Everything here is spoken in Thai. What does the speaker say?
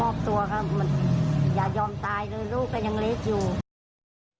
มอบตัวค่ะอย่ายอมตายเลยลูกก็ยังเล็กอยู่